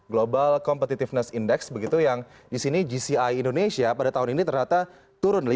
global competitiveness index begitu yang di sini gci indonesia pada tahun ini ternyata turun